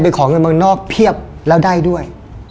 ขอเงินเมืองนอกเพียบแล้วได้ด้วย